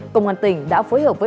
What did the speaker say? công an tỉnh đã phối hợp với